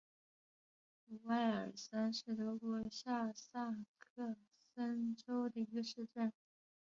乌埃尔森是德国下萨克森州的一个市镇。